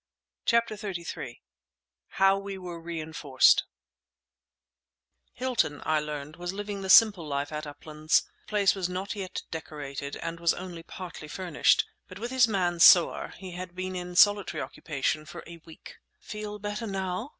CHAPTER XXXIII HOW WE WERE REINFORCED Hilton, I learned, was living the simple life at "Uplands." The place was not yet decorated and was only partly furnished. But with his man, Soar, he had been in solitary occupation for a week. "Feel better now?"